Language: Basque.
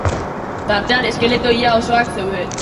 Tartean eskeleto ia osoak zeuden.